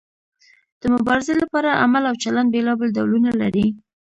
د مبارزې لپاره عمل او چلند بیلابیل ډولونه لري.